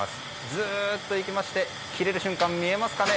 ずっといきまして切れる瞬間見えますかね。